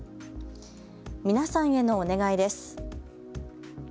皆さんへのお願いです。